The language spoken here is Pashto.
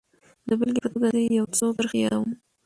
د بېلګې په توګه زه يې يو څو کرښې يادوم.